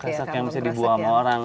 keresek yang bisa dibuang oleh orang